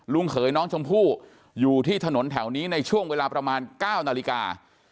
เขยน้องชมพู่อยู่ที่ถนนแถวนี้ในช่วงเวลาประมาณ๙นาฬิกา